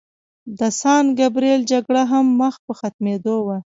د سان ګبریل جګړه هم مخ په ختمېدو وه.